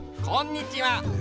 こんにちは！